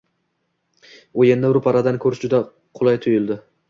O'yinni ro'paradan ko'rish qulay tuyuldi.